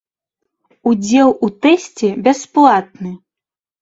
Удзел у тэсце бясплатны.